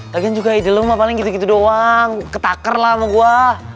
kalian juga idealnya paling gitu doang ketakar lah mau gua